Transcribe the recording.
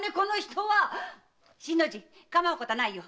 新の字かまうことはないよ